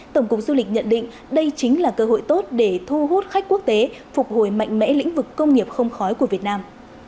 tổng cục du lịch nhận định đây chính là cơ hội tốt để thu hút khách quốc tế phục hồi mạnh mẽ lĩnh vực công nghiệp không khói của việt nam